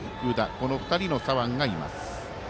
この２人の左腕がいます。